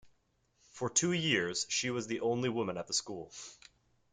For two years, she was the only woman at the school.